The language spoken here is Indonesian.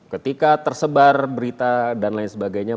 ketika tersebar berita dan lain sebagainya